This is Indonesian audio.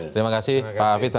terima kasih pak fitz